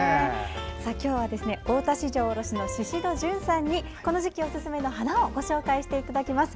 今日は、大田市場卸の宍戸純さんにこの時期おすすめの花をご紹介していただきます。